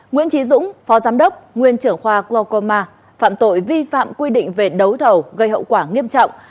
nguyễn trí dũng phó giám đốc nguyên trưởng khoa koma phạm tội vi phạm quy định về đấu thầu gây hậu quả nghiêm trọng